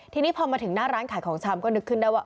ทีนี้พอมาถึงหน้าร้านขายของชำก็นึกขึ้นได้ว่า